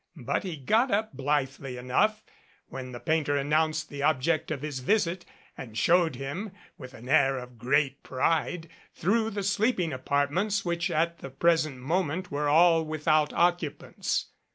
But he got up blithely enough when the painter announced the object of his visit and showed him, with an air of great pride, through the sleeping apartments which at the present moment were all without occupants.